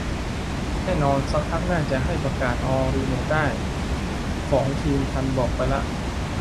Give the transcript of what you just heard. แน่นอน ซักพักน่าจะให้ประกาศออลรีโมทได้ ของทีมทันบอกไปละ